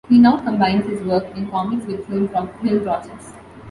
He now combines his work in comics with film projects.